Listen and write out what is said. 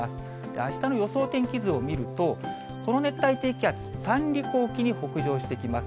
あしたの予想天気図を見ると、この熱帯低気圧、三陸沖に北上してきます。